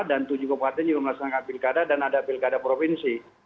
dan tujuh kabupaten juga melaksanakan pilkada dan ada pilkada provinsi